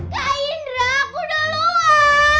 kak indra aku dah luar